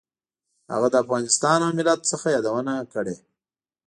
هغه له افغانستان او ملت څخه یادونه کړې.